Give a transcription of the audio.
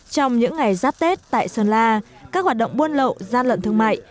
trong những ngày giáp tết tại sơn la các hoạt động buôn lậu gian lận thương mại